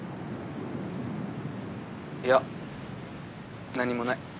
いや何もない。